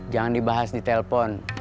jangan dibahas di telpon